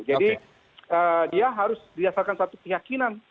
jadi dia harus diasarkan satu keyakinan